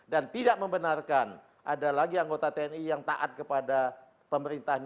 tidak membenarkan ada lagi anggota tni yang taat kepada pemerintahan